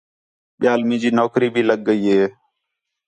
ٻِیال مینجی نوکری بھی لڳ ڳئی ہِے